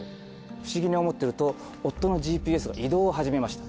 不思議に思ってると夫のＧＰＳが移動を始めました。